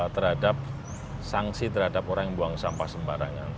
terhadap sanksi terhadap orang yang buang sampah sembarangan